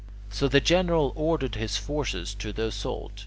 So the general ordered his forces to the assault.